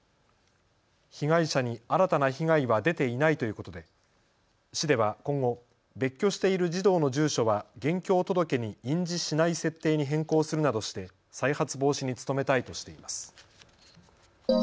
被害者に新たな被害は出ていないということで市では今後、別居している児童の住所は現況届に印字しない設定に変更するなどして再発防止に努めたいとしています。